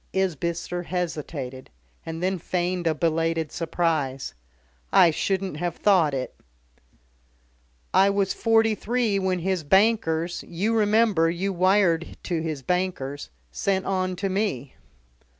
Isbister hesitated, and then feigned a belated surprise. "I shouldn't have thought it." "I was forty three when his bankers you remember you wired to his bankers sent on to me."